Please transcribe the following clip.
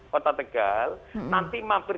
kota tegal nanti mampir